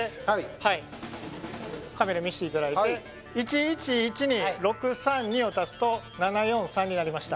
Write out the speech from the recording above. はいカメラ見せていただいて１１１に６３２を足すと７４３になりました